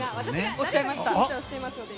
おっしゃいました。